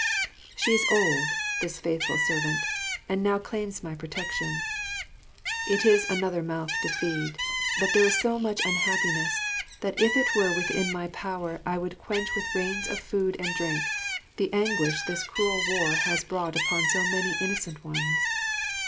She is old, this faithful servant, and now claims my protection. It is another mouth to feed; but there is so much unhappiness that if it were within my power I would quench with rains of food and drink the anguish this cruel war has brought upon so many innocent ones.